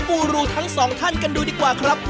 กูรูทั้งสองท่านกันดูดีกว่าครับ